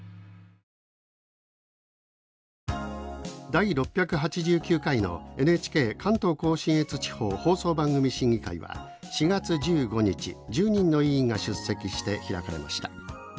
第６８９回のＮＨＫ関東甲信越地方放送番組審議会は４月１５日１０人の委員が出席して開かれました。